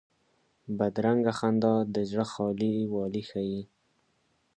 بدرنګه خندا د زړه خالي والی ښيي